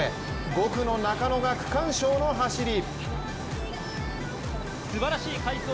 ５区の中野が区間賞の走り。